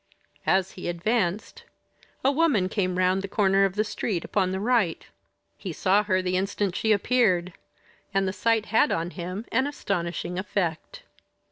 As he advanced, a woman came round the corner of the street, upon the right. He saw her the instant she appeared, and the sight had on him an astonishing effect.